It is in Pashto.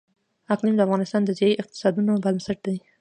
اقلیم د افغانستان د ځایي اقتصادونو بنسټ دی.